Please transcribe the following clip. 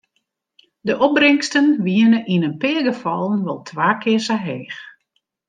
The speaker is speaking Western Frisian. De opbringsten wiene yn in pear gefallen wol twa kear sa heech.